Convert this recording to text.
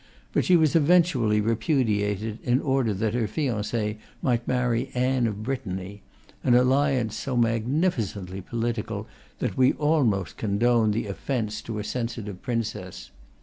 but she was eventually repudiated, in order that her fiance might marry Anne of Brittany, an alliance so magnificently political that we almost condone the offence to a sensitive princess.